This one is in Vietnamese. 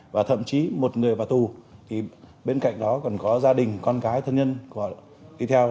và thậm chí một người vào tù thì bên cạnh đó còn có gia đình con cái thân nhân